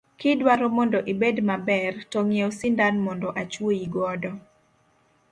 Kidwaro mondo ibed maber, to ngiiew sindan mondo ochuoyi godo.